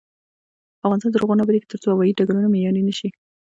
افغانستان تر هغو نه ابادیږي، ترڅو هوايي ډګرونه معیاري نشي.